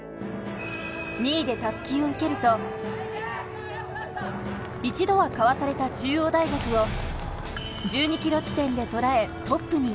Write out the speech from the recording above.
２位で襷を受けると、一度はかわされた中央大学を１２ｋｍ地点でとらえトップに。